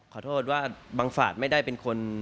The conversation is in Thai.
ขอโทษว่าบังฝาดไม่ได้เป็นคน